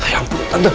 ya ampun tante